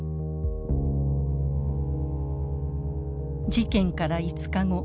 事件から５日後。